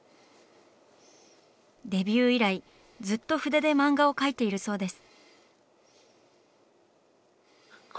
デビュー以来ずっと筆で漫画を描いているそうです。